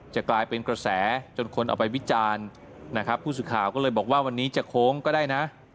จะกลายเป็นกระแสจนคนเอาไปวิจารณ์นะครับผู้สื่อข่าวก็เลยบอกว่าวันนี้จะโค้งก็ได้นะ